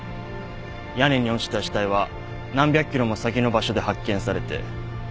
屋根に落ちた死体は何百キロも先の場所で発見されて犯行現場が特定できない。